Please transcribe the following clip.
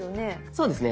そうですね。